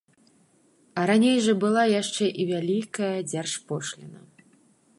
А раней жа была яшчэ і вялікая дзяржпошліна.